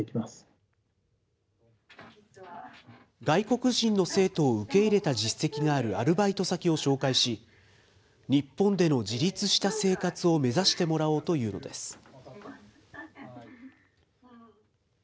外国人の生徒を受け入れた実績があるアルバイト先を紹介し、日本での自立した生活を目指してもらおうというのです。